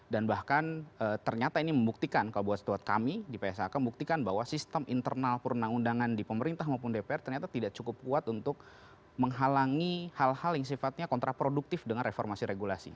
dan bahkan ternyata ini membuktikan kalau buat kami di pshk membuktikan bahwa sistem internal perundang undangan di pemerintah maupun dpr ternyata tidak cukup kuat untuk menghalangi hal hal yang sifatnya kontraproduktif dengan reformasi regulasi